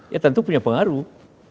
ya tentu punya pengaruh